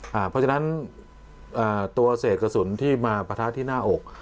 เพราะฉะนั้นตัวเศษกระสุนที่มาปะทะที่หน้าอก